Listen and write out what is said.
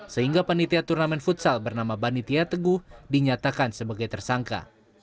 sehingga panitia turnamen futsal bernama banitia teguh dinyatakan sebagai tersangka